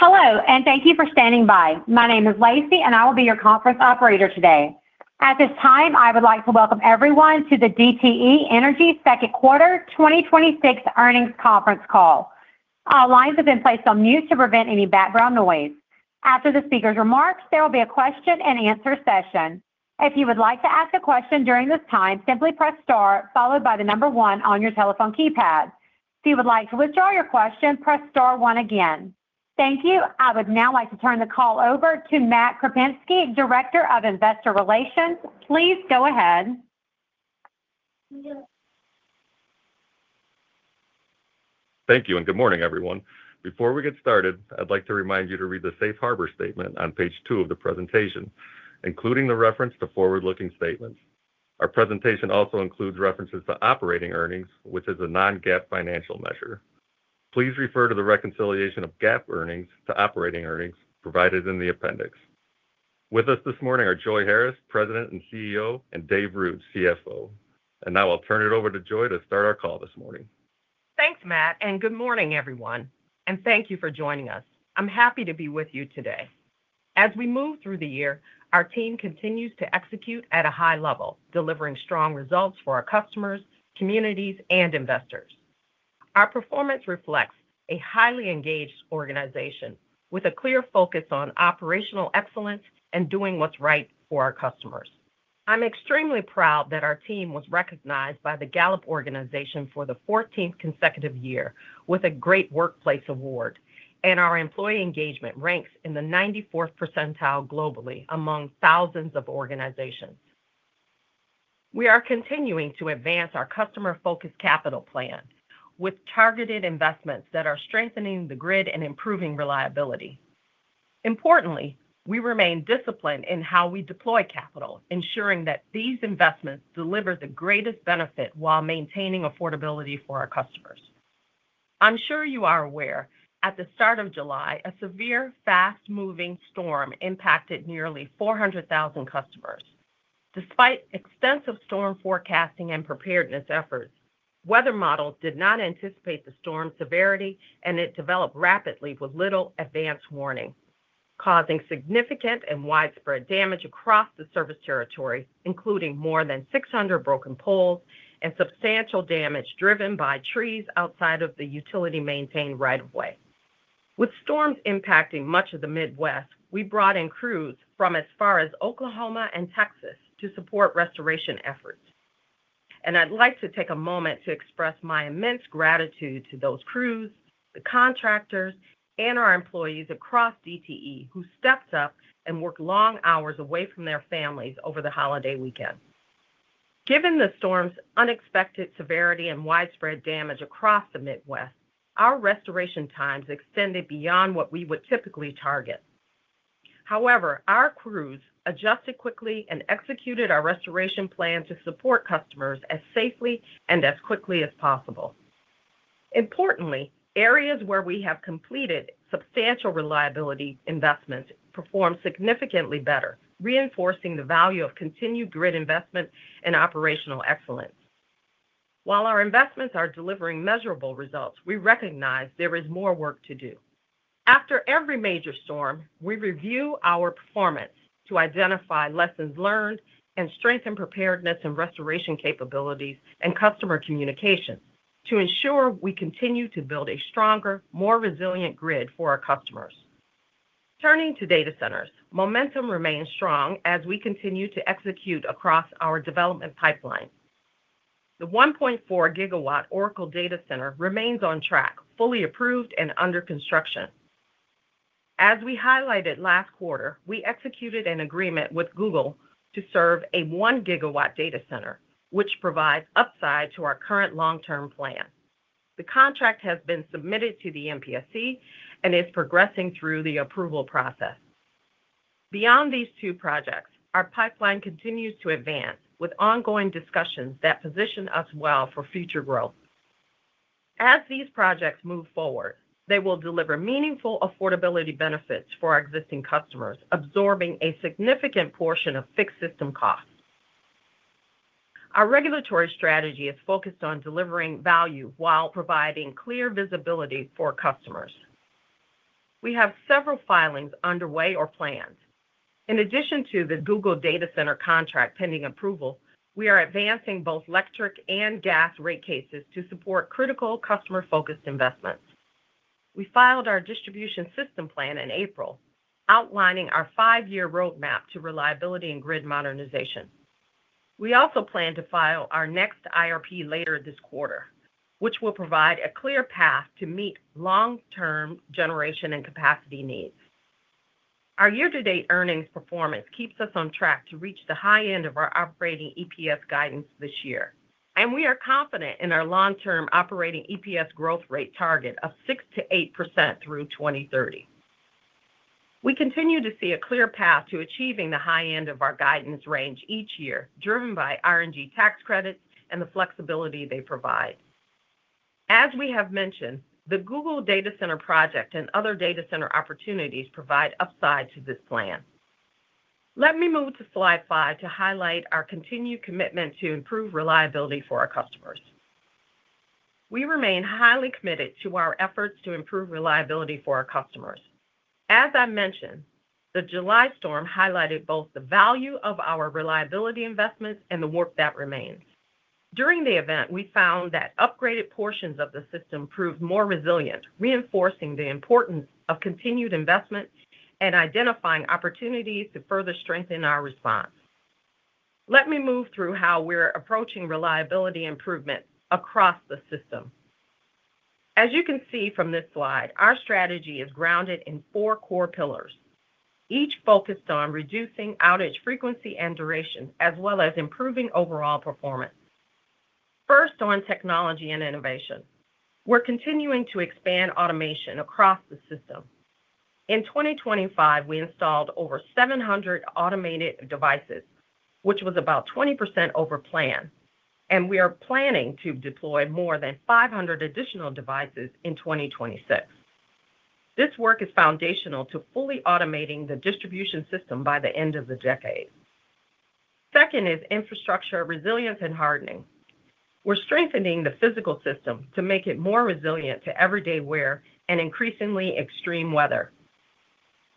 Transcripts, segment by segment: Hello, and thank you for standing by. My name is Lacey, and I will be your conference operator today. At this time, I would like to welcome everyone to the DTE Energy Second Quarter 2026 Earnings Conference Call. All lines have been placed on mute to prevent any background noise. After the speaker's remarks, there will be a question-and-answer session. If you would like to ask a question during this time, simply press star followed by the number one on your telephone keypad. If you would like to withdraw your question, press star one again. Thank you. I would now like to turn the call over to Matt Krupinski, Director of Investor Relations. Please go ahead. Thank you, and good morning, everyone. Before we get started, I'd like to remind you to read the Safe Harbor statement on page two of the presentation, including the reference to forward-looking statements. Our presentation also includes references to operating earnings, which is a non-GAAP financial measure. Please refer to the reconciliation of GAAP earnings to operating earnings provided in the appendix. With us this morning are Joi Harris, President and CEO, and David Ruud, CFO. Now I'll turn it over to Joi to start our call this morning. Thanks, Matt, and good morning, everyone. Thank you for joining us. I'm happy to be with you today. As we move through the year, our team continues to execute at a high level, delivering strong results for our customers, communities, and investors. Our performance reflects a highly engaged organization with a clear focus on operational excellence and doing what's right for our customers. I'm extremely proud that our team was recognized by the Gallup organization for the 14th consecutive year with a Great Workplace Award, and our employee engagement ranks in the 94th percentile globally among thousands of organizations. We are continuing to advance our customer-focused capital plan with targeted investments that are strengthening the grid and improving reliability. Importantly, we remain disciplined in how we deploy capital, ensuring that these investments deliver the greatest benefit while maintaining affordability for our customers. I'm sure you are aware, at the start of July, a severe, fast-moving storm impacted nearly 400,000 customers. Despite extensive storm forecasting and preparedness efforts, weather models did not anticipate the storm's severity, and it developed rapidly with little advance warning, causing significant and widespread damage across the service territory, including more than 600 broken poles and substantial damage driven by trees outside of the utility-maintained right of way. With storms impacting much of the Midwest, we brought in crews from as far as Oklahoma and Texas to support restoration efforts. I'd like to take a moment to express my immense gratitude to those crews, the contractors, and our employees across DTE who stepped up and worked long hours away from their families over the holiday weekend. Given the storm's unexpected severity and widespread damage across the Midwest, our restoration times extended beyond what we would typically target. Our crews adjusted quickly and executed our restoration plan to support customers as safely and as quickly as possible. Importantly, areas where we have completed substantial reliability investments performed significantly better, reinforcing the value of continued grid investment and operational excellence. While our investments are delivering measurable results, we recognize there is more work to do. After every major storm, we review our performance to identify lessons learned and strengthen preparedness and restoration capabilities and customer communication to ensure we continue to build a stronger, more resilient grid for our customers. Turning to data centers, momentum remains strong as we continue to execute across our development pipeline. The 1.4 GW Oracle data center remains on track, fully approved and under construction. As we highlighted last quarter, we executed an agreement with Google to serve a 1 GW data center, which provides upside to our current long-term plan. The contract has been submitted to the MPSC and is progressing through the approval process. Beyond these two projects, our pipeline continues to advance with ongoing discussions that position us well for future growth. As these projects move forward, they will deliver meaningful affordability benefits for our existing customers, absorbing a significant portion of fixed system costs. Our regulatory strategy is focused on delivering value while providing clear visibility for customers. We have several filings underway or planned. In addition to the Google data center contract pending approval, we are advancing both electric and gas rate cases to support critical customer-focused investments. We filed our distribution system plan in April, outlining our five-year roadmap to reliability and grid modernization. We also plan to file our next IRP later this quarter, which will provide a clear path to meet long-term generation and capacity needs. Our year-to-date earnings performance keeps us on track to reach the high end of our operating EPS guidance this year, and we are confident in our long-term operating EPS growth rate target of 6%-8% through 2030. We continue to see a clear path to achieving the high end of our guidance range each year, driven by RNG tax credits and the flexibility they provide. As we have mentioned, the Google data center project and other data center opportunities provide upside to this plan. Let me move to slide five to highlight our continued commitment to improve reliability for our customers. We remain highly committed to our efforts to improve reliability for our customers. As I mentioned, the July storm highlighted both the value of our reliability investments and the work that remains. During the event, we found that upgraded portions of the system proved more resilient, reinforcing the importance of continued investment and identifying opportunities to further strengthen our response. Let me move through how we're approaching reliability improvement across the system. As you can see from this slide, our strategy is grounded in four core pillars, each focused on reducing outage frequency and duration, as well as improving overall performance. First, on Technology and Innovation. We're continuing to expand automation across the system. In 2025, we installed over 700 automated devices, which was about 20% over plan, and we are planning to deploy more than 500 additional devices in 2026. This work is foundational to fully automating the distribution system by the end of the decade. Second is Infrastructure Resilience and Hardening. We're strengthening the physical system to make it more resilient to everyday wear and increasingly extreme weather.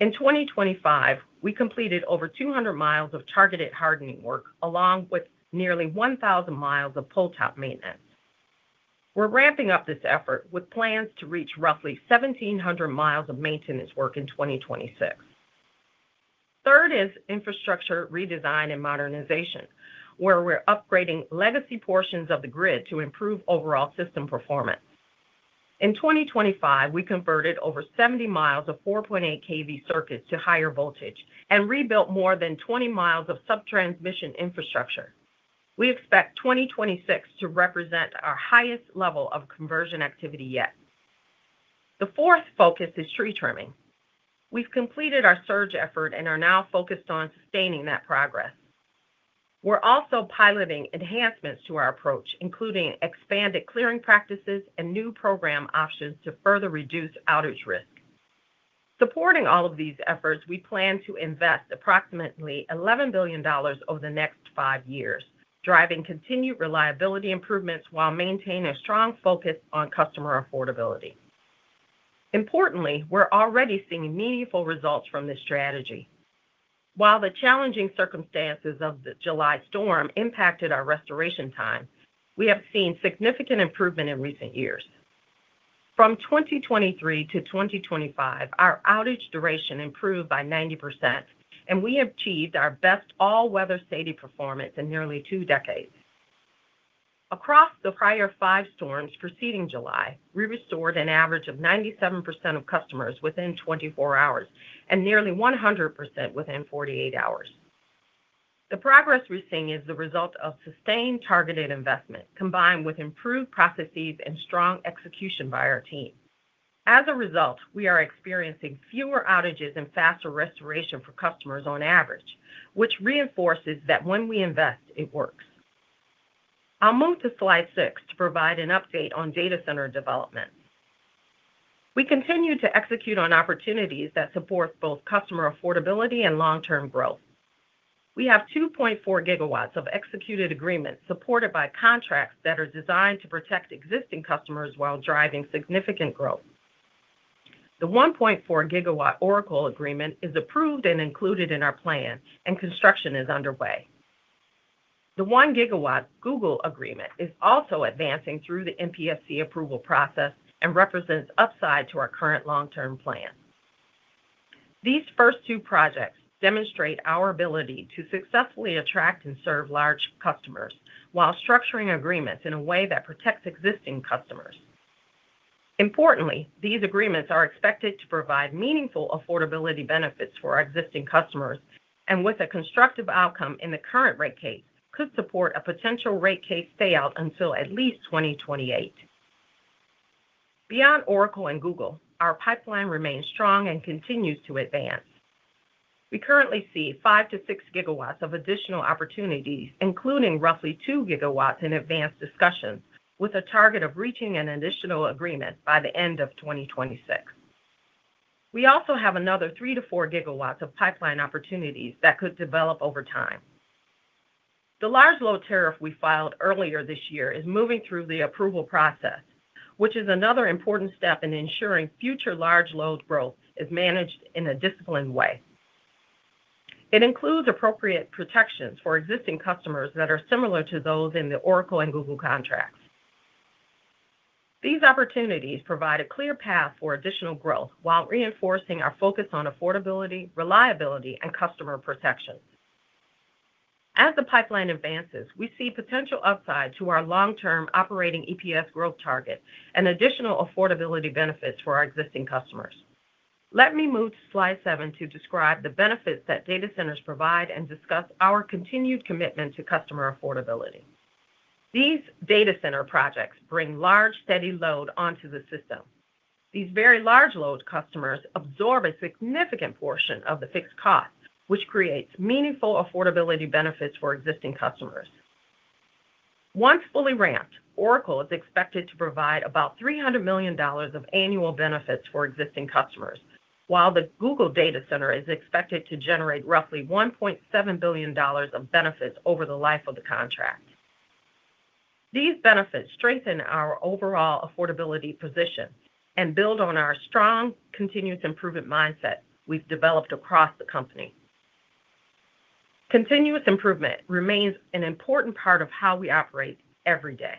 In 2025, we completed over 200 mi of targeted hardening work, along with nearly 1,000 mi of pole top maintenance. We're ramping up this effort with plans to reach roughly 1,700 mi of maintenance work in 2026. Third is Infrastructure Redesign and Modernization, where we're upgrading legacy portions of the grid to improve overall system performance. In 2025, we converted over 70 mi of 4.8 kV circuits to higher voltage and rebuilt more than 20 mi of sub-transmission infrastructure. We expect 2026 to represent our highest level of conversion activity yet. The fourth focus is Tree Trimming. We've completed our surge effort and are now focused on sustaining that progress. We're also piloting enhancements to our approach, including expanded clearing practices and new program options to further reduce outage risk. Supporting all of these efforts, we plan to invest approximately $11 billion over the next five years, driving continued reliability improvements while maintaining a strong focus on customer affordability. Importantly, we're already seeing meaningful results from this strategy. While the challenging circumstances of the July storm impacted our restoration time, we have seen significant improvement in recent years. From 2023-2025, our outage duration improved by 90%, and we achieved our best all-weather SAIDI performance in nearly two decades. Across the prior five storms preceding July, we restored an average of 97% of customers within 24 hours and nearly 100% within 48 hours. The progress we're seeing is the result of sustained, targeted investment combined with improved processes and strong execution by our team. As a result, we are experiencing fewer outages and faster restoration for customers on average, which reinforces that when we invest, it works. I'll move to slide six to provide an update on data center development. We continue to execute on opportunities that support both customer affordability and long-term growth. We have 2.4 GW of executed agreements supported by contracts that are designed to protect existing customers while driving significant growth. The 1.4 GW Oracle agreement is approved and included in our plan, and construction is underway. The 1 GW Google agreement is also advancing through the MPSC approval process and represents upside to our current long-term plan. These first two projects demonstrate our ability to successfully attract and serve large customers while structuring agreements in a way that protects existing customers. Importantly, these agreements are expected to provide meaningful affordability benefits for our existing customers, and with a constructive outcome in the current rate case, could support a potential rate case stay out until at least 2028. Beyond Oracle and Google, our pipeline remains strong and continues to advance. We currently see 5 GW-6 GW of additional opportunities, including roughly 2 GW in advanced discussions, with a target of reaching an additional agreement by the end of 2026. We also have another 3 GW- 4 GW of pipeline opportunities that could develop over time. The large load tariff we filed earlier this year is moving through the approval process, which is another important step in ensuring future large load growth is managed in a disciplined way. It includes appropriate protections for existing customers that are similar to those in the Oracle and Google contracts. These opportunities provide a clear path for additional growth while reinforcing our focus on affordability, reliability, and customer protection. As the pipeline advances, we see potential upside to our long-term operating EPS growth target and additional affordability benefits for our existing customers. Let me move to slide seven to describe the benefits that data centers provide and discuss our continued commitment to customer affordability. These data center projects bring large, steady load onto the system. These very large load customers absorb a significant portion of the fixed costs, which creates meaningful affordability benefits for existing customers. Once fully ramped, Oracle is expected to provide about $300 million of annual benefits for existing customers, while the Google data center is expected to generate roughly $1.7 billion of benefits over the life of the contract. These benefits strengthen our overall affordability position and build on our strong, continuous improvement mindset we've developed across the company. Continuous improvement remains an important part of how we operate every day.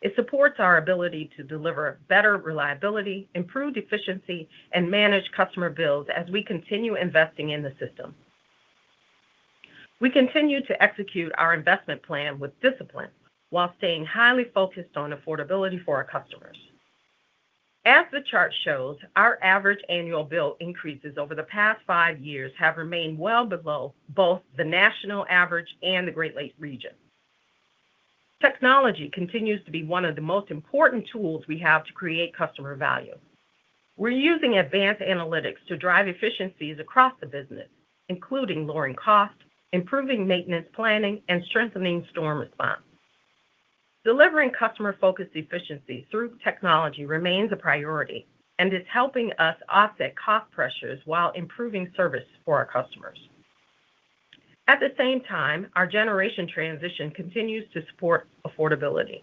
It supports our ability to deliver better reliability, improved efficiency, and manage customer bills as we continue investing in the system. We continue to execute our investment plan with discipline while staying highly focused on affordability for our customers. As the chart shows, our average annual bill increases over the past five years have remained well below both the national average and the Great Lakes region. Technology continues to be one of the most important tools we have to create customer value. We're using advanced analytics to drive efficiencies across the business, including lowering costs, improving maintenance planning, and strengthening storm response. Delivering customer-focused efficiency through technology remains a priority and is helping us offset cost pressures while improving service for our customers. At the same time, our generation transition continues to support affordability.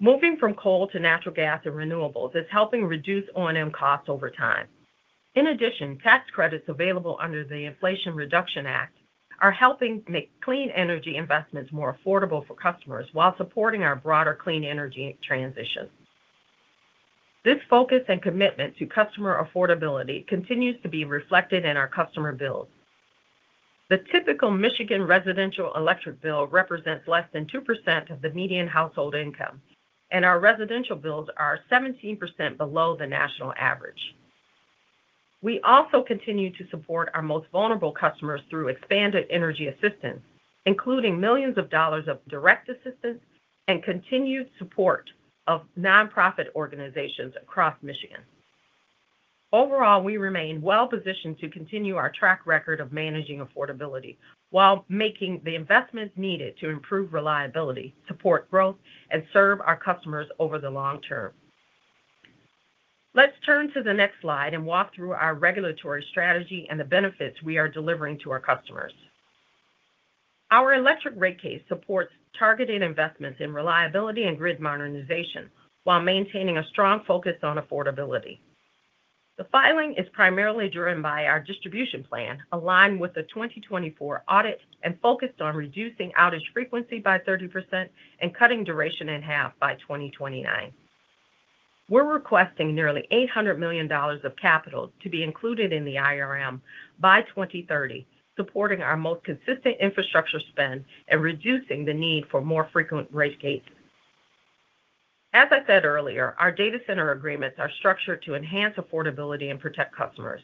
Moving from coal to natural gas and renewables is helping reduce O&M costs over time. In addition, tax credits available under the Inflation Reduction Act are helping make clean energy investments more affordable for customers while supporting our broader clean energy transition. This focus and commitment to customer affordability continues to be reflected in our customer bills. The typical Michigan residential electric bill represents less than 2% of the median household income, and our residential bills are 17% below the national average. We also continue to support our most vulnerable customers through expanded energy assistance, including millions of dollars of direct assistance and continued support of nonprofit organizations across Michigan. Overall, we remain well-positioned to continue our track record of managing affordability while making the investments needed to improve reliability, support growth, and serve our customers over the long term. Let's turn to the next slide and walk through our regulatory strategy and the benefits we are delivering to our customers. Our electric rate case supports targeted investments in reliability and grid modernization while maintaining a strong focus on affordability. The filing is primarily driven by our distribution plan, aligned with the 2024 audit, and focused on reducing outage frequency by 30% and cutting duration in half by 2029. We're requesting nearly $800 million of capital to be included in the IRM by 2030, supporting our most consistent infrastructure spend and reducing the need for more frequent rate cases. As I said earlier, our data center agreements are structured to enhance affordability and protect customers.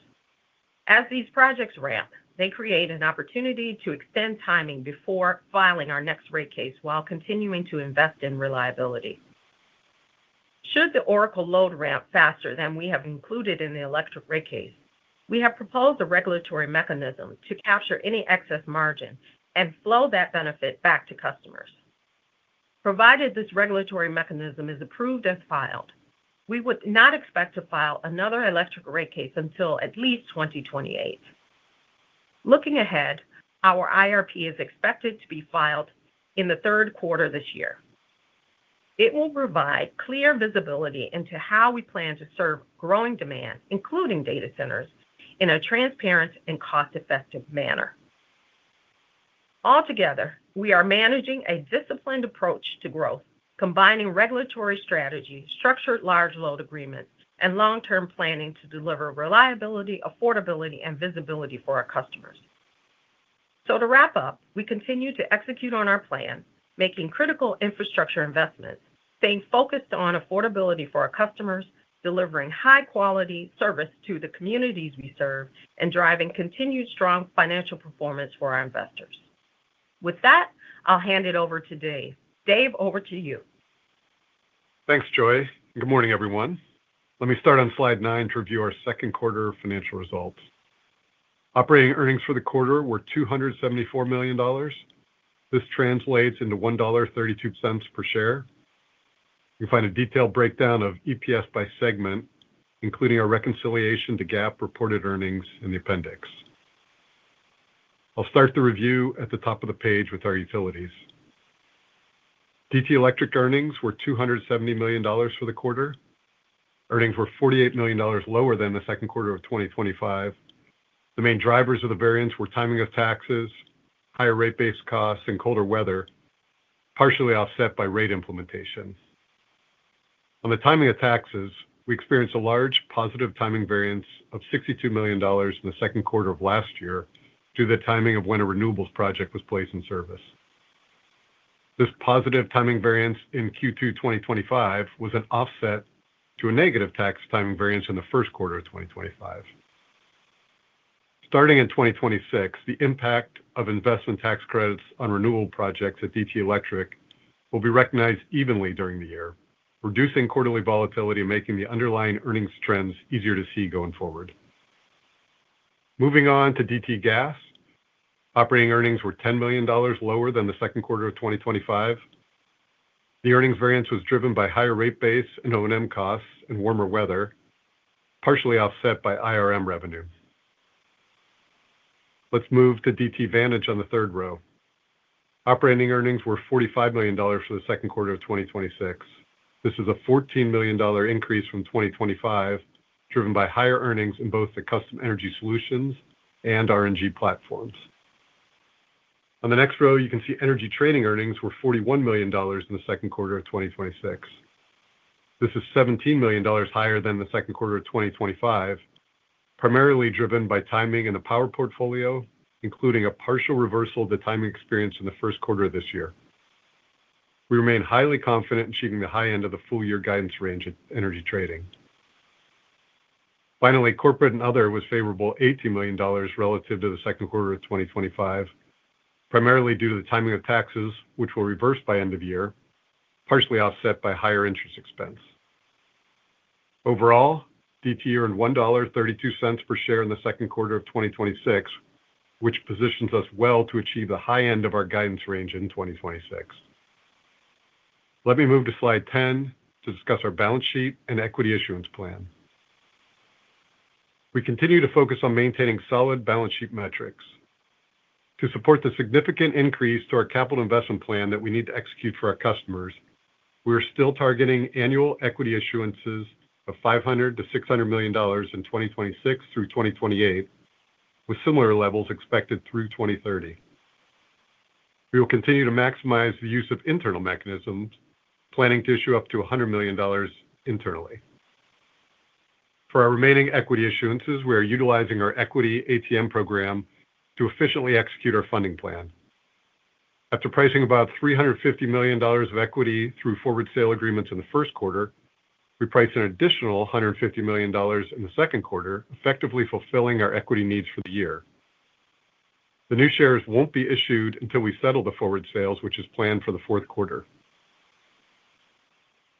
As these projects ramp, they create an opportunity to extend timing before filing our next rate case while continuing to invest in reliability. Should the Oracle load ramp faster than we have included in the electric rate case, we have proposed a regulatory mechanism to capture any excess margin and flow that benefit back to customers. Provided this regulatory mechanism is approved as filed, we would not expect to file another electric rate case until at least 2028. Looking ahead, our IRP is expected to be filed in the third quarter this year. It will provide clear visibility into how we plan to serve growing demand, including data centers, in a transparent and cost-effective manner. Altogether, we are managing a disciplined approach to growth, combining regulatory strategy, structured large load agreements, and long-term planning to deliver reliability, affordability, and visibility for our customers. To wrap up, we continue to execute on our plan, making critical infrastructure investments, staying focused on affordability for our customers, delivering high-quality service to the communities we serve, and driving continued strong financial performance for our investors. With that, I'll hand it over to Dave. Dave, over to you. Thanks, Joi. Good morning, everyone. Let me start on slide nine to review our second quarter financial results. Operating earnings for the quarter were $274 million. This translates into $1.32 per share. You'll find a detailed breakdown of EPS by segment, including our reconciliation to GAAP-reported earnings in the appendix. I'll start the review at the top of the page with our utilities. DTE Electric earnings were $270 million for the quarter. Earnings were $48 million lower than the second quarter of 2025. The main drivers of the variance were timing of taxes, higher rate base costs, and colder weather, partially offset by rate implementation. On the timing of taxes, we experienced a large positive timing variance of $62 million in the second quarter of last year due to the timing of when a renewables project was placed in service. This positive timing variance in Q2 2025 was an offset to a negative tax timing variance in the first quarter of 2025. Starting in 2026, the impact of investment tax credits on renewable projects at DTE Electric will be recognized evenly during the year, reducing quarterly volatility and making the underlying earnings trends easier to see going forward. Moving on to DTE Gas. Operating earnings were $10 million lower than the second quarter of 2025. The earnings variance was driven by higher rate base and O&M costs and warmer weather, partially offset by IRM revenue. Let's move to DTE Vantage on the third row. Operating earnings were $45 million for the second quarter of 2026. This is a $14 million increase from 2025, driven by higher earnings in both the Customer Energy Solutions and RNG platforms. On the next row, you can see Energy Trading earnings were $41 million in the second quarter of 2026. This is $17 million higher than the second quarter of 2025, primarily driven by timing in the power portfolio, including a partial reversal of the timing experience in the first quarter of this year. We remain highly confident in achieving the high end of the full-year guidance range at Energy Trading. Finally, Corporate and Other was favorable $18 million relative to the second quarter of 2025, primarily due to the timing of taxes, which will reverse by end of year, partially offset by higher interest expense. Overall, DTE earned $1.32 per share in the second quarter of 2026, which positions us well to achieve the high end of our guidance range in 2026. Let me move to slide 10 to discuss our balance sheet and equity issuance plan. We continue to focus on maintaining solid balance sheet metrics. To support the significant increase to our capital investment plan that we need to execute for our customers, we are still targeting annual equity issuances of $500 million-$600 million in 2026 through 2028, with similar levels expected through 2030. We will continue to maximize the use of internal mechanisms, planning to issue up to $100 million internally. For our remaining equity issuances, we are utilizing our equity ATM program to efficiently execute our funding plan. After pricing about $350 million of equity through forward sale agreements in the first quarter, we priced an additional $150 million in the second quarter, effectively fulfilling our equity needs for the year. The new shares won't be issued until we settle the forward sales, which is planned for the fourth quarter.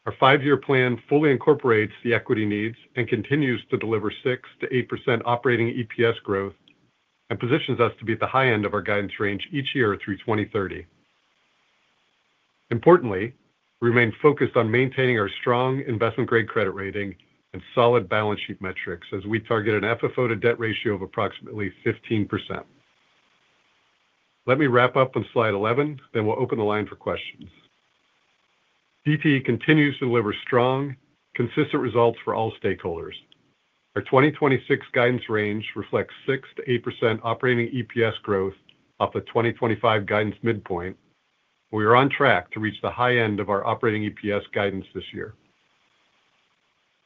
Our five-year plan fully incorporates the equity needs and continues to deliver 6%-8% operating EPS growth and positions us to be at the high end of our guidance range each year through 2030. Importantly, we remain focused on maintaining our strong investment-grade credit rating and solid balance sheet metrics as we target an FFO to debt ratio of approximately 15%. Let me wrap up on slide 11. We'll open the line for questions. DTE continues to deliver strong, consistent results for all stakeholders. Our 2026 guidance range reflects 6%-8% operating EPS growth off the 2025 guidance midpoint. We are on track to reach the high end of our operating EPS guidance this year.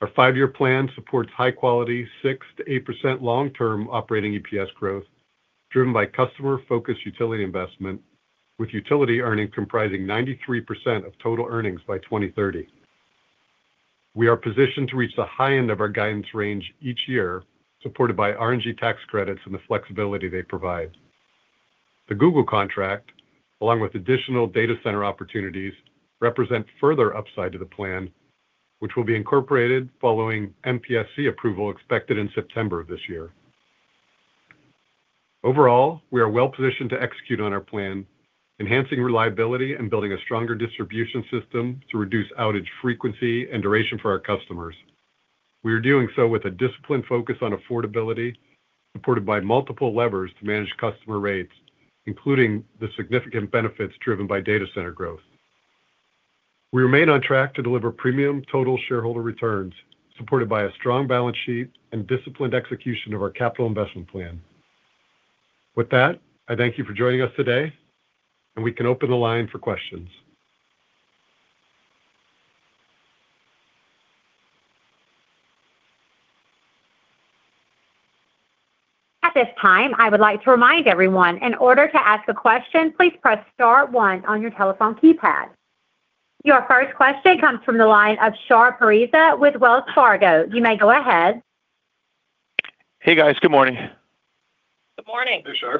Our five-year plan supports high-quality, 6%-8% long-term operating EPS growth, driven by customer-focused utility investment, with utility earnings comprising 93% of total earnings by 2030. We are positioned to reach the high end of our guidance range each year, supported by RNG tax credits and the flexibility they provide. The Google contract, along with additional data center opportunities, represent further upside to the plan, which will be incorporated following MPSC approval expected in September of this year. Overall, we are well-positioned to execute on our plan, enhancing reliability and building a stronger distribution system to reduce outage frequency and duration for our customers. We are doing so with a disciplined focus on affordability, supported by multiple levers to manage customer rates, including the significant benefits driven by data center growth. We remain on track to deliver premium total shareholder returns, supported by a strong balance sheet and disciplined execution of our capital investment plan. With that, I thank you for joining us today. We can open the line for questions. At this time, I would like to remind everyone, in order to ask a question, please press star one on your telephone keypad. Your first question comes from the line of Shar Pourreza with Wells Fargo. You may go ahead. Hey, guys. Good morning. Good morning. Hey,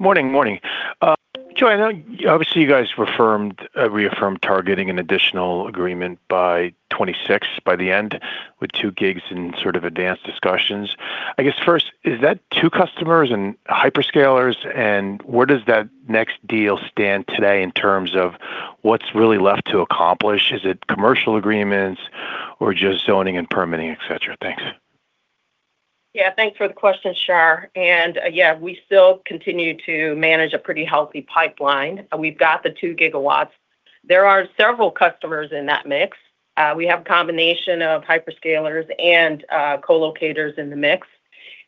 Shar. Morning. Joi, obviously, you guys reaffirmed targeting an additional agreement by 2026, by the end, with 2 GW in sort of advanced discussions. I guess first, is that two customers and hyperscalers? Where does that next deal stand today in terms of what's really left to accomplish? Is it commercial agreements or just zoning and permitting, et cetera? Thanks. Thanks for the question, Shar. We still continue to manage a pretty healthy pipeline. We've got the 2 GW. There are several customers in that mix. We have a combination of hyperscalers and co-locators in the mix.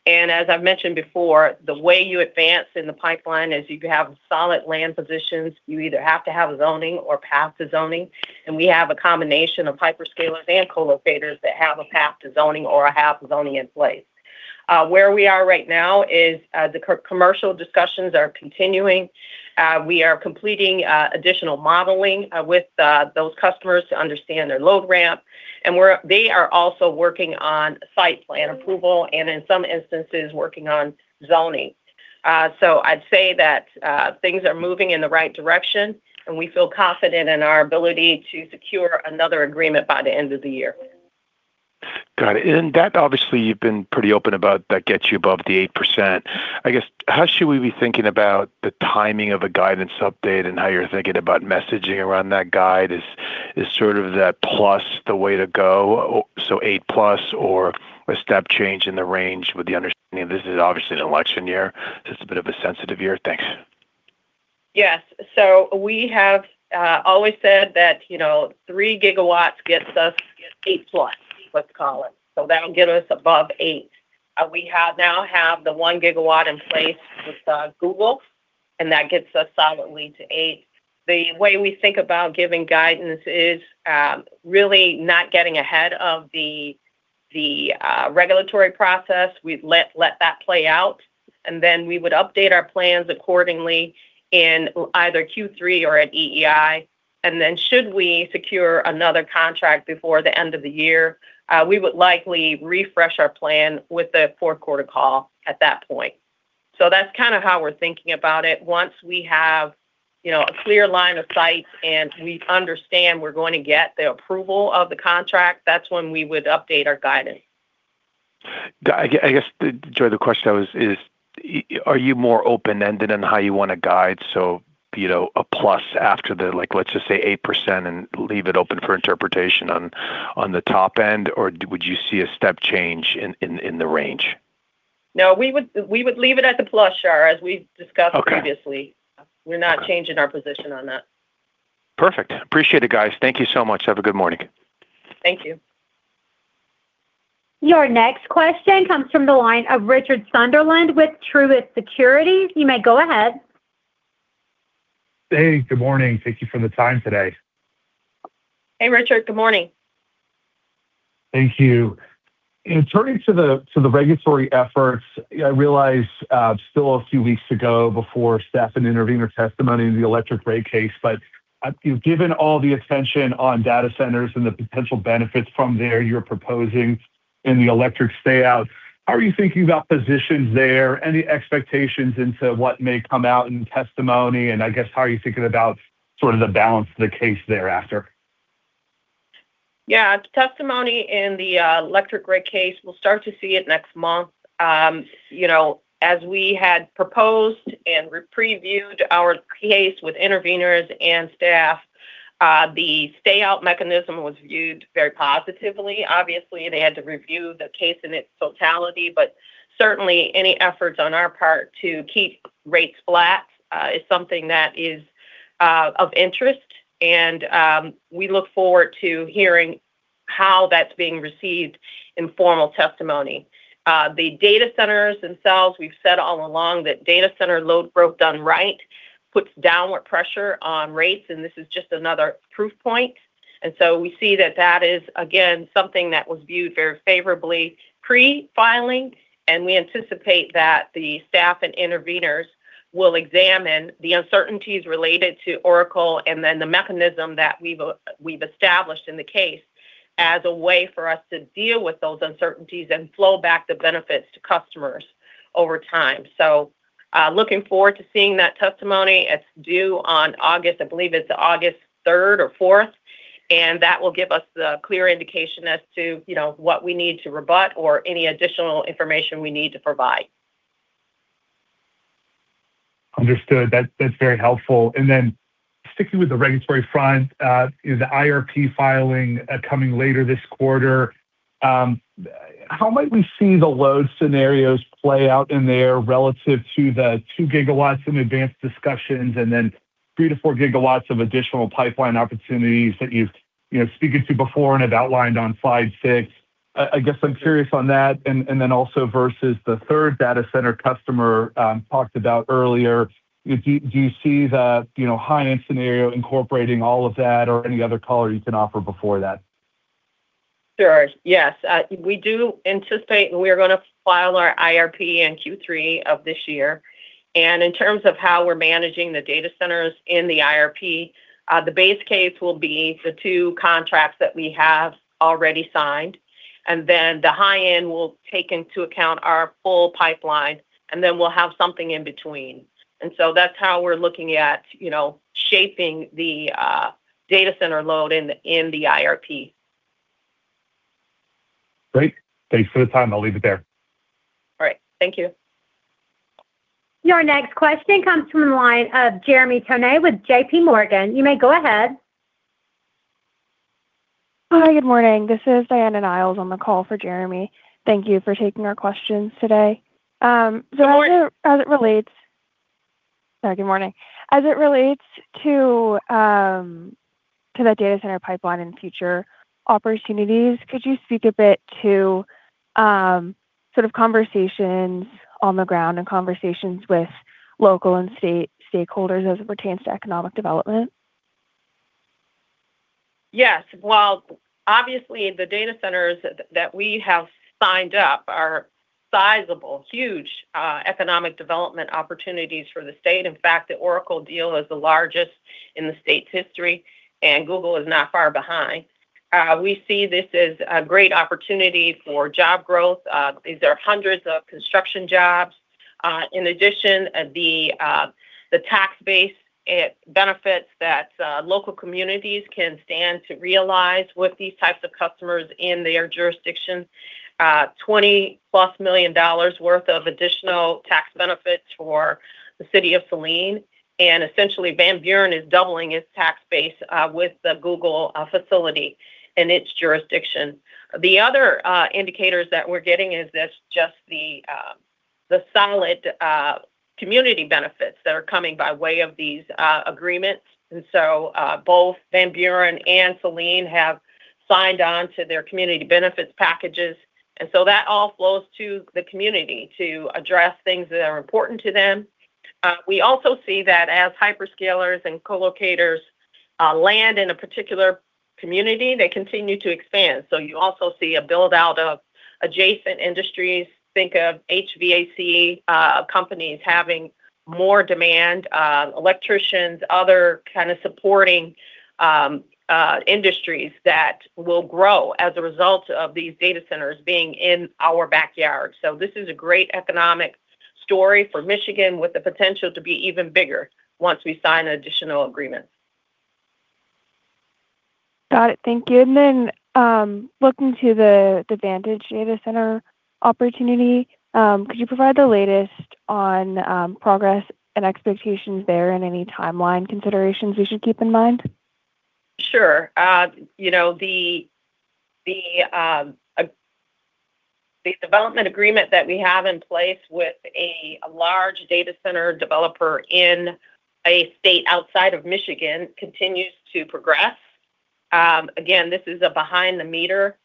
As I've mentioned before, the way you advance in the pipeline is you have solid land positions. You either have to have a zoning or pass the zoning, and we have a combination of hyperscalers and co-locators that have a path to zoning or have zoning in place. Where we are right now is the commercial discussions are continuing. We are completing additional modeling with those customers to understand their load ramp. They are also working on site plan approval and, in some instances, working on zoning. I'd say that things are moving in the right direction. We feel confident in our ability to secure another agreement by the end of the year. Got it. That, obviously, you've been pretty open about that gets you above the 8%. I guess, how should we be thinking about the timing of a guidance update and how you're thinking about messaging around that guide? Is sort of that plus the way to go? 8%+ or a step change in the range with the understanding this is obviously an election year. It's a bit of a sensitive year. Thanks. Yes. We have always said that 3 GW gets us 8%+, let's call it. That'll get us above 8%. We now have the 1 GW in place with Google, and that gets us solidly to 8%. The way we think about giving guidance is really not getting ahead of the regulatory process. We'd let that play out. We would update our plans accordingly in either Q3 or at EEI. Should we secure another contract before the end of the year, we would likely refresh our plan with the fourth quarter call at that point. That's kind of how we're thinking about it. Once we have a clear line of sight, we understand we're going to get the approval of the contract, that's when we would update our guidance. I guess, Joi, the question is, are you more open-ended in how you want to guide, so a plus after the, let's just say 8% and leave it open for interpretation on the top end, or would you see a step change in the range? No, we would leave it at the plus, Shar, as we've discussed previously. Okay. We're not changing our position on that. Perfect. Appreciate it, guys. Thank you so much. Have a good morning. Thank you. Your next question comes from the line of Richard Sunderland with Truist Securities. You may go ahead. Hey, good morning. Thank you for the time today. Hey, Richard. Good morning. Thank you. In turning to the regulatory efforts, I realize it's still a few weeks to go before staff and intervener testimony in the electric rate case, but given all the attention on data centers and the potential benefits from there you're proposing in the electric stayout, how are you thinking about positions there? Any expectations into what may come out in testimony, and I guess how are you thinking about sort of the balance of the case thereafter? Yeah. Testimony in the electric rate case, we will start to see it next month. As we had proposed and previewed our case with interveners and staff, the stayout mechanism was viewed very positively. Obviously, they had to review the case in its totality, but certainly any efforts on our part to keep rates flat is something that is of interest, and we look forward to hearing how that's being received in formal testimony. The data centers themselves, we have said all along that data center load growth done right puts downward pressure on rates, and this is just another proof point. We see that that is, again, something that was viewed very favorably pre-filing, and we anticipate that the staff and interveners will examine the uncertainties related to Oracle and then the mechanism that we have established in the case as a way for us to deal with those uncertainties and flow back the benefits to customers over time. Looking forward to seeing that testimony. It is due on August, I believe it is August 3rd or August 4th, and that will give us the clear indication as to what we need to rebut or any additional information we need to provide. Understood. That is very helpful. Sticking with the regulatory front, is the IRP filing coming later this quarter? How might we see the load scenarios play out in there relative to the 2 GW in advanced discussions and then 3 GW-4 GW of additional pipeline opportunities that you have spoken to before and have outlined on slide 6? I guess I am curious on that, and then also versus the 3rd data center customer talked about earlier. Do you see the high-end scenario incorporating all of that or any other color you can offer before that? Sure. Yes. We do anticipate, we are going to file our IRP in Q3 of this year. In terms of how we're managing the data centers in the IRP, the base case will be the two contracts that we have already signed, then the high end will take into account our full pipeline, then we'll have something in between. That's how we're looking at shaping the data center load in the IRP. Great. Thanks for the time. I'll leave it there. All right. Thank you. Your next question comes from the line of Jeremy Tonet with JPMorgan. You may go ahead. Hi, good morning. This is Diana Niles on the call for Jeremy. Thank you for taking our questions today. Good morning. Sorry, good morning. As it relates to that data center pipeline and future opportunities, could you speak a bit to sort of conversations on the ground and conversations with local and state stakeholders as it pertains to economic development? Yes. Well, obviously the data centers that we have signed up are sizable, huge economic development opportunities for the state. In fact, the Oracle deal is the largest in the state's history, and Google is not far behind. We see this as a great opportunity for job growth. These are hundreds of construction jobs. In addition, the tax base benefits that local communities can stand to realize with these types of customers in their jurisdiction, $20 million+ worth of additional tax benefits for the city of Saline. Essentially, Van Buren is doubling its tax base with the Google facility in its jurisdiction. The other indicators that we're getting is just the solid community benefits that are coming by way of these agreements. So both Van Buren and Saline have signed on to their community benefits packages. That all flows to the community to address things that are important to them. We also see that as hyperscalers and colocators land in a particular community, they continue to expand. You also see a build-out of adjacent industries. Think of HVAC companies having more demand, electricians, other kind of supporting industries that will grow as a result of these data centers being in our backyard. This is a great economic story for Michigan with the potential to be even bigger once we sign additional agreements. Got it. Thank you. Looking to the Vantage Data Center opportunity, could you provide the latest on progress and expectations there and any timeline considerations we should keep in mind? Sure. The development agreement that we have in place with a large data center developer in a state outside of Michigan continues to progress. Again, this is a behind-the-meter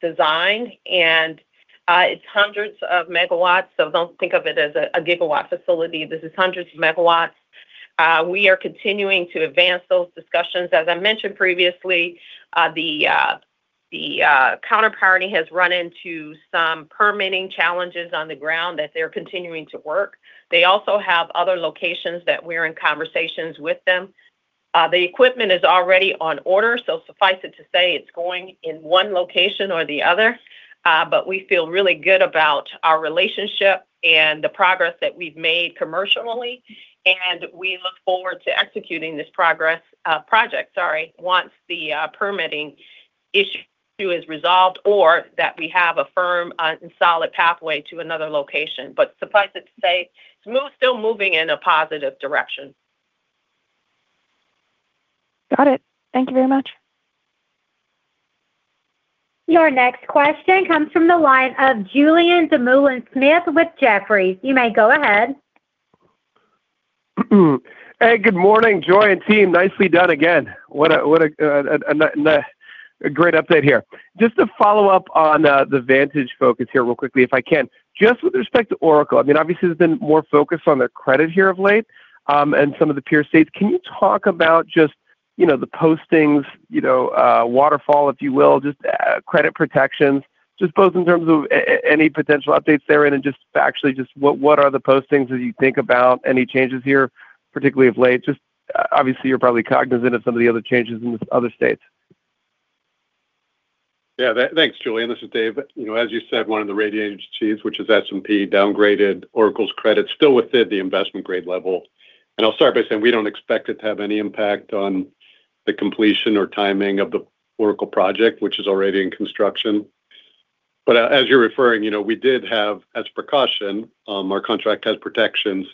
design, and it's hundreds of megawatts, so don't think of it as a gigawatt facility. This is hundreds of megawatts. We are continuing to advance those discussions. As I mentioned previously, the counterparty has run into some permitting challenges on the ground that they're continuing to work. They also have other locations that we're in conversations with them. The equipment is already on order, so suffice it to say, it's going in one location or the other. We feel really good about our relationship and the progress that we've made commercially. We look forward to executing this project, once the permitting issue is resolved or that we have a firm and solid pathway to another location. Suffice it to say, it's still moving in a positive direction. Got it. Thank you very much. Your next question comes from the line of Julien Dumoulin-Smith with Jefferies. You may go ahead. Hey, good morning, Joi and team. Nicely done again. What a great update here. Just to follow up on the Vantage focus here real quickly, if I can. Just with respect to Oracle, obviously there's been more focus on their credit here of late, and some of the peer states. Can you talk about just the postings, waterfall, if you will, just credit protections, just both in terms of any potential updates therein and just factually, just what are the postings, as you think about any changes here, particularly of late? Just obviously, you're probably cognizant of some of the other changes in other states. Thanks, Julien. This is Dave. As you said, one of the rating agencies, which is S&P, downgraded Oracle's credit, still within the investment grade level. I'll start by saying we don't expect it to have any impact on the completion or timing of the Oracle project, which is already in construction. As you're referring, we did have, as a precaution, our contract has protections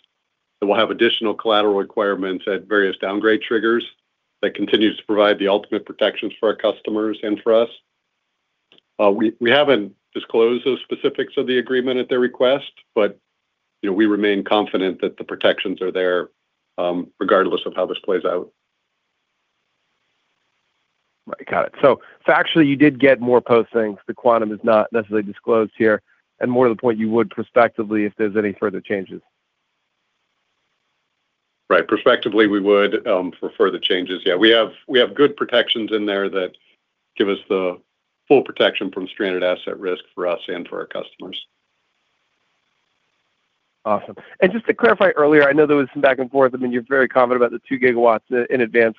that we'll have additional collateral requirements at various downgrade triggers that continues to provide the ultimate protections for our customers and for us. We haven't disclosed the specifics of the agreement at their request, but we remain confident that the protections are there regardless of how this plays out. Right. Got it. Factually, you did get more postings. The quantum is not necessarily disclosed here and more to the point you would prospectively if there's any further changes. Right. Prospectively, we would for further changes. Yeah, we have good protections in there that give us the full protection from stranded asset risk for us and for our customers. Awesome. Just to clarify earlier, I know there was some back and forth. You're very confident about the 2 GW in advanced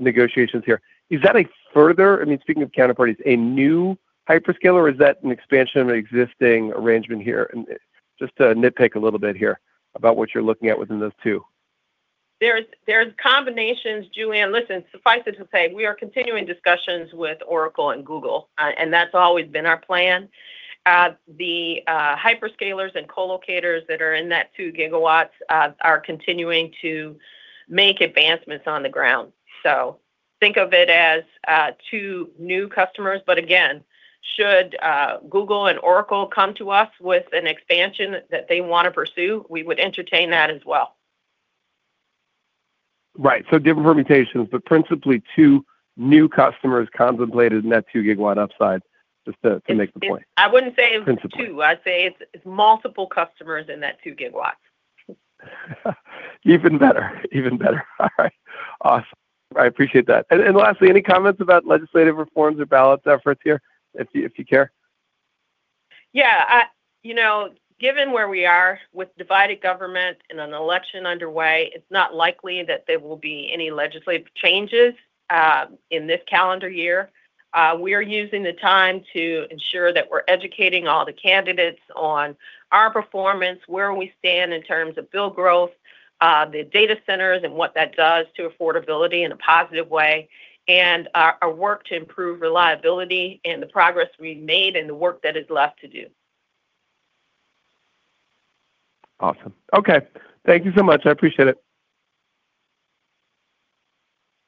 negotiations here. Is that a further, speaking of counterparties, a new hyperscaler, or is that an expansion of an existing arrangement here? Just to nitpick a little bit here about what you're looking at within those two. There's combinations, Julien. Listen, suffice it to say, we are continuing discussions with Oracle and Google, and that's always been our plan. The hyperscalers and colocators that are in that 2 GW are continuing to make advancements on the ground. Think of it as two new customers, but again, should Google and Oracle come to us with an expansion that they want to pursue, we would entertain that as well. Right. Different permutations, but principally two new customers contemplated in that 2 GW upside, just to make the point. I wouldn't say it's two. Principally. I'd say it's multiple customers in that 2 GW. Even better. Even better. All right. Awesome. I appreciate that. Lastly, any comments about legislative reforms or ballot efforts here if you care? Yeah. Given where we are with divided government and an election underway, it's not likely that there will be any legislative changes in this calendar year. We are using the time to ensure that we're educating all the candidates on our performance, where we stand in terms of bill growth, the data centers, and what that does to affordability in a positive way, and our work to improve reliability and the progress we've made and the work that is left to do. Awesome. Okay. Thank you so much. I appreciate it.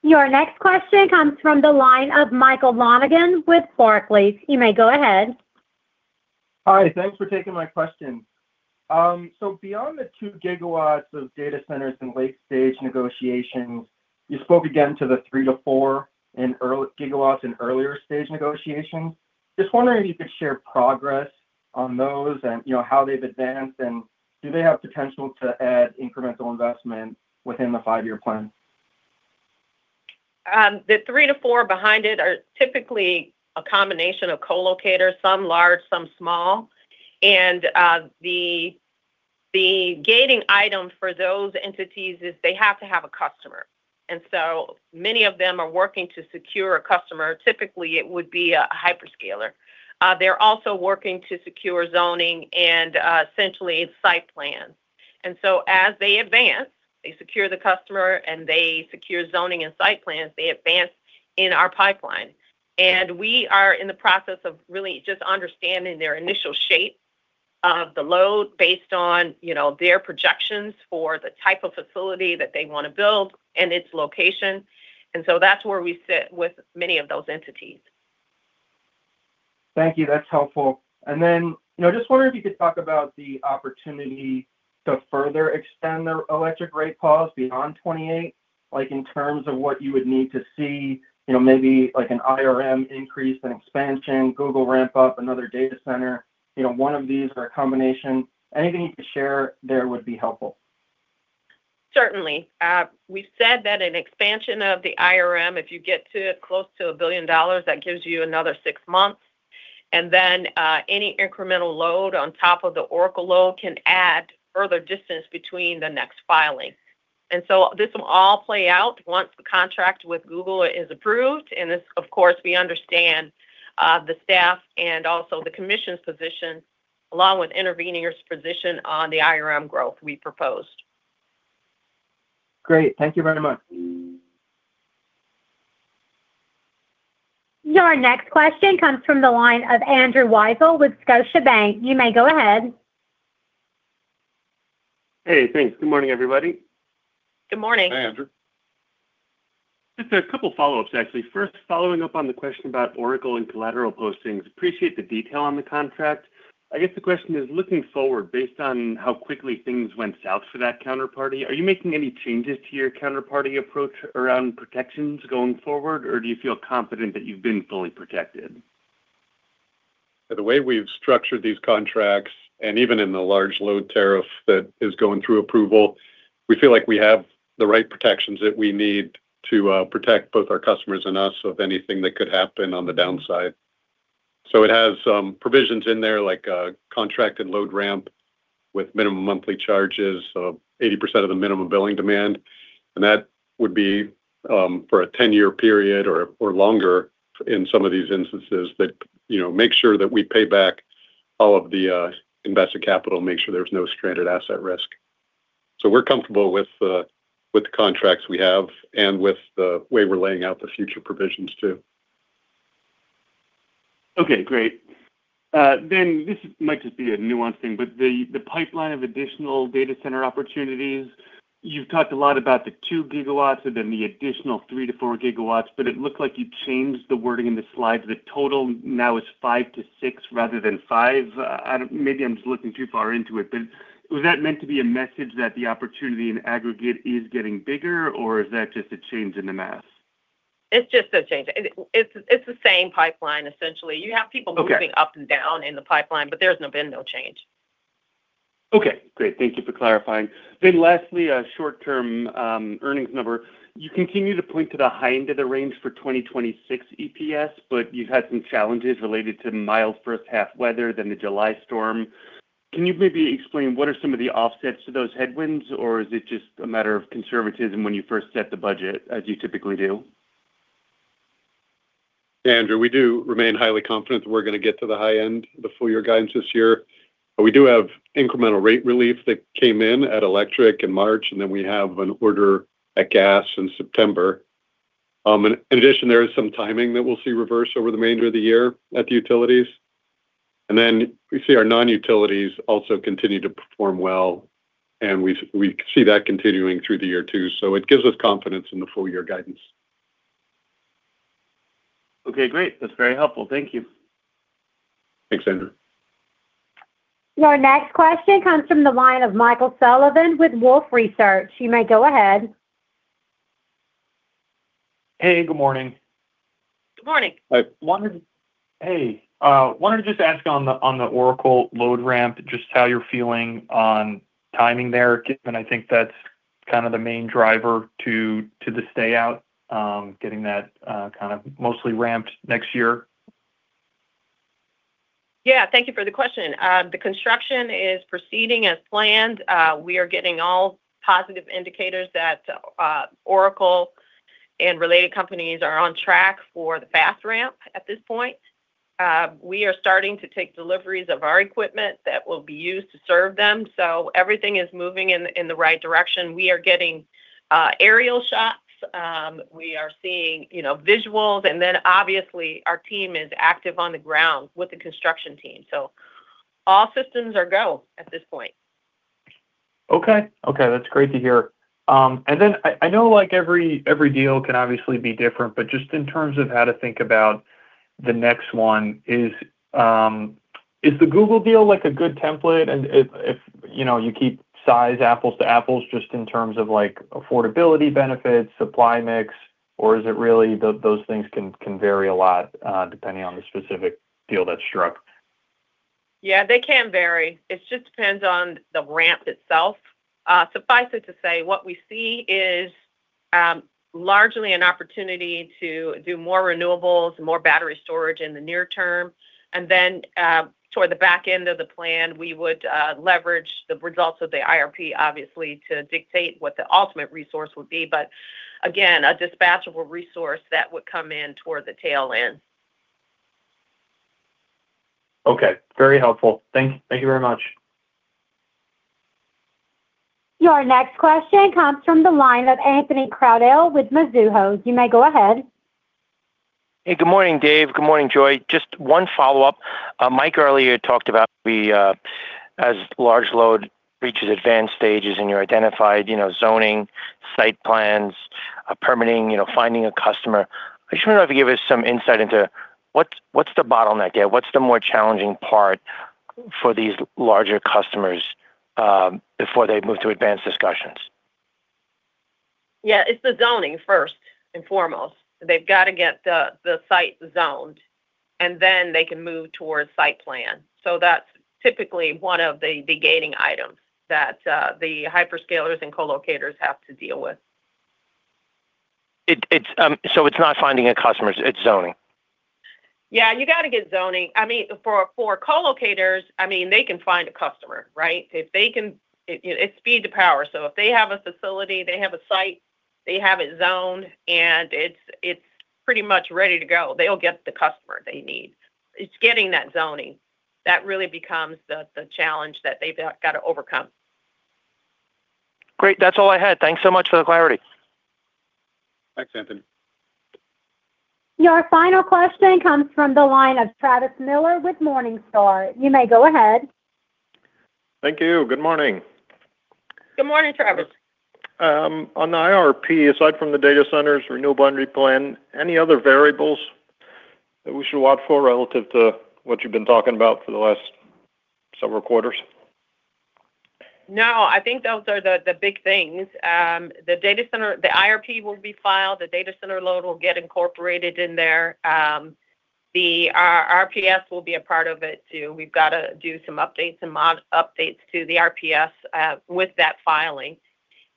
Your next question comes from the line of Michael Lonegan with Barclays. You may go ahead. Hi, thanks for taking my question. Beyond the 2 GW of data centers in late-stage negotiations, you spoke again to the 3 GW-4 GW in earlier-stage negotiations. Just wondering if you could share progress on those and how they've advanced, and do they have potential to add incremental investment within the five-year plan? The 3 GW-4 GW behind it are typically a combination of colocators, some large, some small. The gating item for those entities is they have to have a customer. Many of them are working to secure a customer. Typically, it would be a hyperscaler. They're also working to secure zoning and essentially site plans. As they advance, they secure the customer, and they secure zoning and site plans, they advance in our pipeline. We are in the process of really just understanding their initial shape of the load based on their projections for the type of facility that they want to build and its location. That's where we sit with many of those entities. Thank you. That's helpful. Just wondering if you could talk about the opportunity to further extend the electric rate pause beyond 2028, in terms of what you would need to see, maybe an IRM increase, an expansion, Google ramp up, another data center, one of these or a combination. Anything you could share there would be helpful. Certainly. We've said that an expansion of the IRM, if you get to close to $1 billion, that gives you another six months. Any incremental load on top of the Oracle load can add further distance between the next filing. This will all play out once the contract with Google is approved, and of course, we understand the staff and also the Commission's position, along with interveners' position on the IRM growth we proposed. Great. Thank you very much. Your next question comes from the line of Andrew Weisel with Scotiabank. You may go ahead. Hey, thanks. Good morning, everybody. Good morning. Hi, Andrew. Just a couple follow-ups, actually. First, following up on the question about Oracle and collateral postings. Appreciate the detail on the contract. I guess the question is: looking forward, based on how quickly things went south for that counterparty, are you making any changes to your counterparty approach around protections going forward, or do you feel confident that you've been fully protected? The way we've structured these contracts, and even in the large load tariff that is going through approval, we feel like we have the right protections that we need to protect both our customers and us of anything that could happen on the downside. It has some provisions in there, like a contract and load ramp with minimum monthly charges of 80% of the minimum billing demand. That would be for a 10-year period or longer in some of these instances that make sure that we pay back all of the invested capital, make sure there's no stranded asset risk. We're comfortable with the contracts we have and with the way we're laying out the future provisions, too. Okay, great. This might just be a nuance thing, the pipeline of additional data center opportunities, you've talked a lot about the 2 GW and then the additional 3 GW-4 GW, it looked like you changed the wording in the slide. The total now is 5 GW-6 GW rather than 5 GW. Maybe I'm just looking too far into it, was that meant to be a message that the opportunity in aggregate is getting bigger, or is that just a change in the math? It's just a change. It's the same pipeline, essentially. Okay. You have people moving up and down in the pipeline, but there's been no change. Okay, great. Thank you for clarifying. Lastly, a short-term earnings number. You continue to point to the high end of the range for 2026 EPS, but you've had some challenges related to mild first half weather, then the July storm. Can you maybe explain what are some of the offsets to those headwinds, or is it just a matter of conservatism when you first set the budget, as you typically do? Andrew, we do remain highly confident that we're going to get to the high end, the full-year guidance this year. We do have incremental rate relief that came in at Electric in March, and then we have an order at Gas in September. In addition, there is some timing that we'll see reverse over the remainder of the year at the utilities. We see our non-utilities also continue to perform well, and we see that continuing through the year, too, so it gives us confidence in the full-year guidance. Okay, great. That's very helpful. Thank you. Thanks, Andrew. Your next question comes from the line of Michael Sullivan with Wolfe Research. You may go ahead. Hey, good morning. Good morning. Hi. Hey. Wanted to just ask on the Oracle load ramp, just how you're feeling on timing there, given I think that kind of the main driver to the stay out, getting that mostly ramped next year? Yeah. Thank you for the question. The construction is proceeding as planned. We are getting all positive indicators that Oracle and related companies are on track for the fast ramp at this point. We are starting to take deliveries of our equipment that will be used to serve them. Everything is moving in the right direction. We are getting aerial shots. We are seeing visuals, obviously, our team is active on the ground with the construction team. All systems are go at this point. Okay. That's great to hear. I know every deal can obviously be different, but just in terms of how to think about the next one, is the Google deal a good template and if you keep size apples to apples, just in terms of affordability benefits, supply mix, or is it really those things can vary a lot, depending on the specific deal that's struck? Yeah, they can vary. It just depends on the ramp itself. Suffice it to say, what we see is largely an opportunity to do more renewables, more battery storage in the near term. Toward the back end of the plan, we would leverage the results of the IRP, obviously, to dictate what the ultimate resource would be. Again, a dispatchable resource that would come in toward the tail end. Okay. Very helpful. Thank you very much. Your next question comes from the line of Anthony Crowdell with Mizuho. You may go ahead. Hey, good morning, Dave. Good morning, Joi. Just one follow-up. Mike earlier talked about as large load reaches advanced stages and you're identified zoning, site plans, permitting, finding a customer. I just wonder if you could give us some insight into what's the bottleneck there? What's the more challenging part for these larger customers before they move to advanced discussions? Yeah, it's the zoning first and foremost. They've got to get the site zoned, and then they can move towards site plan. That's typically one of the gating items that the hyperscalers and colocators have to deal with. It's not finding a customer, it's zoning. Yeah. You got to get zoning. For colocators, they can find a customer, right? It's speed to power. If they have a facility, they have a site, they have it zoned, and it's pretty much ready to go, they'll get the customer they need. It's getting that zoning that really becomes the challenge that they've got to overcome. Great. That's all I had. Thanks so much for the clarity. Thanks, Anthony. Your final question comes from the line of Travis Miller with Morningstar. You may go ahead. Thank you. Good morning. Good morning, Travis. On the IRP, aside from the data centers, renewable energy plan, any other variables that we should watch for relative to what you've been talking about for the last several quarters? No, I think those are the big things. The IRP will be filed. The data center load will get incorporated in there. The RPS will be a part of it, too. We've got to do some updates and mod updates to the RPS with that filing.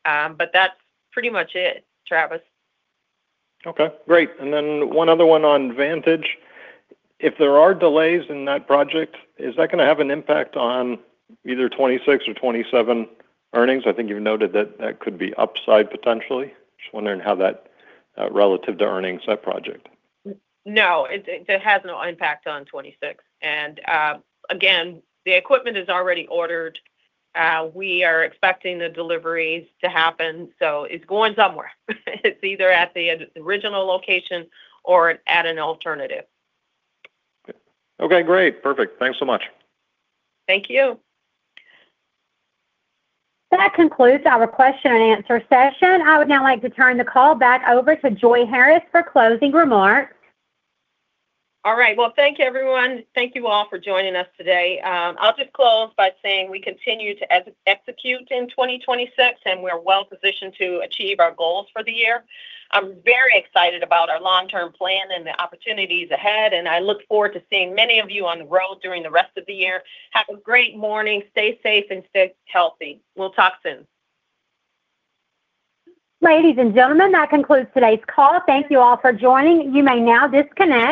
That's pretty much it, Travis. Okay, great. One other one on Vantage. If there are delays in that project, is that going to have an impact on either 2026 or 2027 earnings? I think you've noted that that could be upside potentially. Just wondering how that, relative to earnings, that project. No, it has no impact on 2026. Again, the equipment is already ordered. We are expecting the deliveries to happen. It's going somewhere. It's either at the original location or at an alternative. Okay, great. Perfect. Thanks so much. Thank you. That concludes our question-and-answer session. I would now like to turn the call back over to Joi Harris for closing remarks. All right. Well, thank you everyone. Thank you all for joining us today. I'll just close by saying we continue to execute in 2026, and we're well-positioned to achieve our goals for the year. I'm very excited about our long-term plan and the opportunities ahead, and I look forward to seeing many of you on the road during the rest of the year. Have a great morning. Stay safe and stay healthy. We'll talk soon. Ladies and gentlemen, that concludes today's call. Thank you all for joining. You may now disconnect.